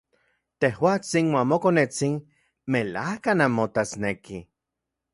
Tejuatsin uan mokonetsin melajka nanmotasnekij.